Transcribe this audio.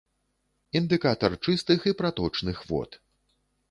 Індыкатар чыстых і праточных вод.